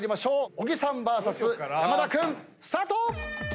小木さんＶＳ山田君スタート！